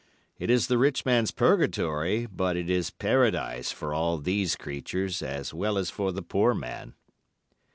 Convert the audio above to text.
It is the rich man's purgatory, but it is Paradise for all these creatures as well as for the poor man."